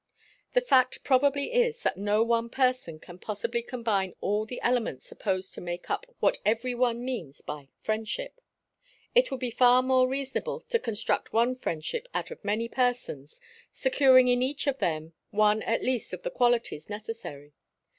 The fact probably is, that no one person can possibly combine all the elements supposed to make up what every one means by friendship. It would be far more reasonable to construct one friendship out of many persons, securing in each of them one at least of the qualities necessary.